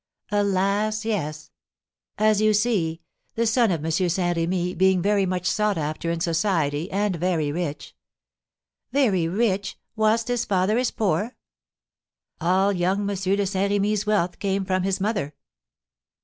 "Alas, yes! As you see, the son of M. de Saint Remy, being very much sought after in society, and very rich " "Very rich, whilst his father is poor?" "All young M. de Saint Remy's wealth came from his mother."